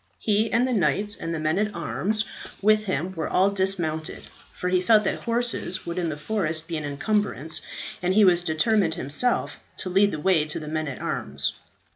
He and the knights and the men at arms with him were all dismounted, for he felt that horses would in the forest be an encumbrance, and he was determined himself to lead the way to the men at arms.